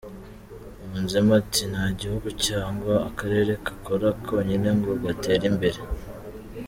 Yunzemo ati “Nta gihugu cyangwa akarere kakora konyine ngo gatere imbere.